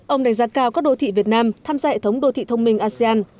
ông đánh giá cao các đô thị việt nam tham gia hệ thống đô thị thông minh asean